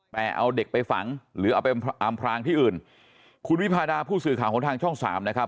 แต่เอาเด็กไปฝังหรือเอาไปอำพรางที่อื่นคุณวิพาดาผู้สื่อข่าวของทางช่องสามนะครับ